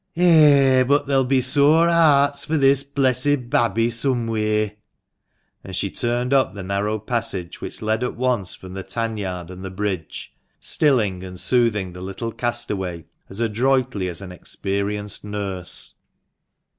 " Eh ! but there'll be sore hearts for this blessed babby, somewheere." And she turned up the narrow passage which led at once from the tan yard and the bridge, stilling and soothing the little castaway as adroitly as an experienced nurse.